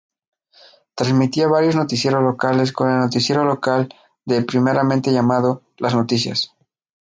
Transmitía varios noticieros locales con el noticiero local de primeramente llamado: Las Noticias.